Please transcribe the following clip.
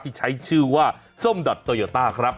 ที่ใช้ชื่อว่าส้มดอดโตโยต้าครับ